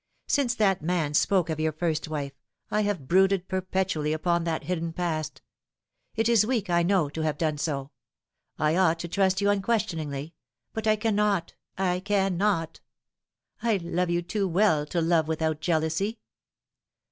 Since that man spoke of your first wife, I have brooded perpetually upon that hidden past. It is weak, I know, to have done so. I ought to trust unquestioningly : but I cannot, I cannot. I love you too well to love without jealousy."